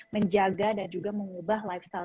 menjaga dan juga mengubah lifestyle